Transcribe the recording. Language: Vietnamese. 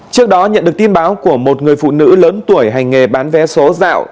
trước đó nhận được tin báo của một người phụ nữ lớn tuổi hành nghề bán vé số dạo